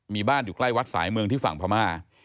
มีบ้านอยู่ใกล้วัดสายเมืองที่ฝั่งพม่า